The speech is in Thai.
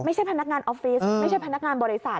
พนักงานออฟฟิศไม่ใช่พนักงานบริษัท